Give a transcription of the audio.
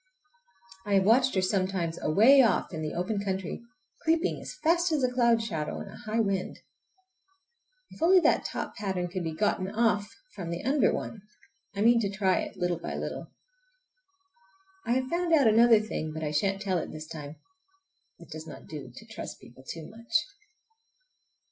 I have watched her sometimes away off in the open country, creeping as fast as a cloud shadow in a high wind. If only that top pattern could be gotten off from the under one! I mean to try it, little by little. I have found out another funny thing, but I shan't tell it this time! It does not do to trust people too much.